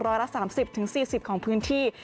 รอยละสามสิบถึงสี่สิบของพื้นที่